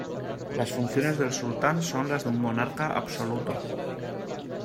Las funciones del sultán son las de un monarca absoluto.